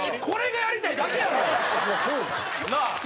なあ？